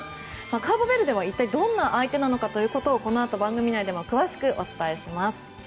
カーボベルデは一体どんな相手なのかということをこのあと番組内でも詳しくお伝えします。